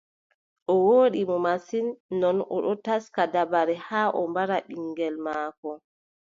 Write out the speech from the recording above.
O wooɗi mo masin, non, o ɗon taska dabare haa o mbara ɓiŋngel maako.